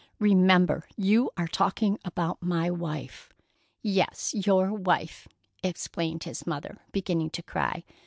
"Remember you are talking about my wife!" "Yes, your wife!" exclaimed his mother, beginning to cry.